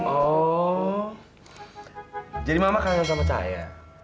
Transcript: oh jadi mama kangen sama saya